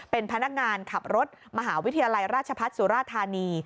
เป็นพนักงานขับรถมหาวิทยาลัยราชพัฒน์สุราธานี